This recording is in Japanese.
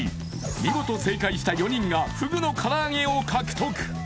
見事正解した４人がフグの唐揚げを獲得！